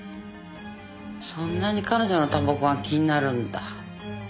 そんなに彼女のタバコが気になるんだ？